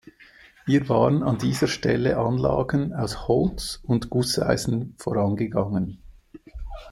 Ihr waren an dieser Stelle Anlagen aus Holz und Gusseisen vorangegangen.